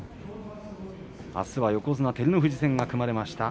あすは横綱照ノ富士戦が組まれました。